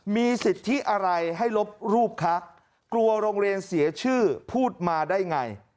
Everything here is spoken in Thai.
มีสิทธิอะไรให้ลบรูปคะกลัวโรงเรียนเสียชื่อพูดมาได้ไง